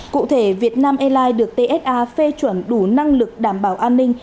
cụ thể việt nam airlines được tsa phê chuẩn đủ năng lực đảm bảo an ninh